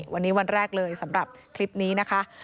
วันนี้วันแรกเลยสำหรับคลิปนี้นะคะ